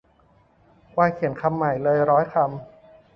ว่าเขียนคำใหม่เลยร้อยคำ